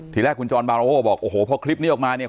ทีแรกคุณจรบารโว่บอกโอ้โหพอคลิปนี้ออกมาเนี่ย